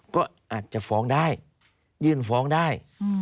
ก็อาจจะฟ้องได้ยื่นฟ้องได้